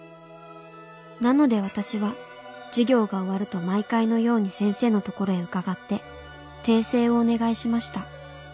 なので私は授業が終わると毎回のように先生のところへ伺って訂正をお願いしました。